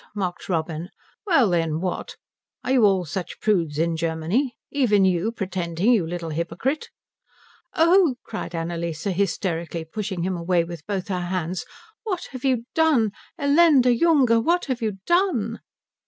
mocked Robin. "Well then, what? Are you all such prudes in Germany? Even you pretending, you little hypocrite?" "Oh," cried Annalise hysterically, pushing him away with both her hands, "what have you done? Elender Junge, what have you done?"